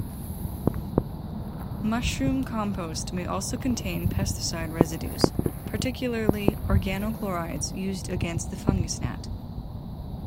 Mushroom compost may also contain pesticide residues, particularly organochlorides used against the fungus gnat.